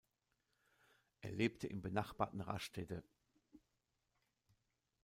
Er lebte im benachbarten Rastede.